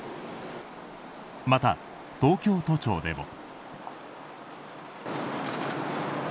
また、東京都庁でも。